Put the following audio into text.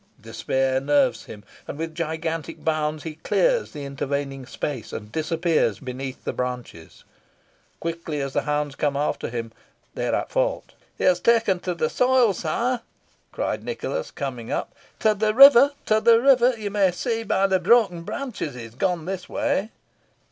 Despair nerves him, and with gigantic bounds he clears the intervening space, and disappears beneath the branches. Quickly as the hounds come after him, they are at fault. "He has taken to the soil, sire," cried Nicholas coming up. "To the river to the river! You may see by the broken branches he has gone this way."